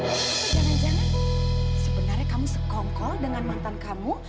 jangan jangan sebenarnya kamu sekongkol dengan mantan kamu